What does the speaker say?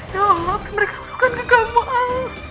ya allah mereka masukkan ke gamau